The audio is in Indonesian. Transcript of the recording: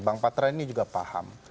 bang patra ini juga paham